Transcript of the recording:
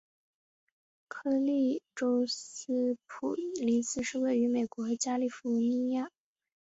柯立芝斯普林斯是位于美国加利福尼亚州因皮里尔县的一个非建制地区。